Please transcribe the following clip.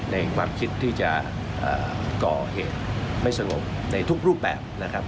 ในความคิดที่จะก่อเหตุไม่สงบในทุกรูปแบบนะครับ